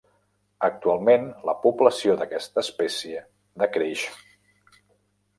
Actualment, la població d'aquesta espècie decreix.